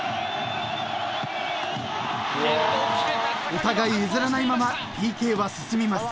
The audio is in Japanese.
［お互い譲らないままＰＫは進みます］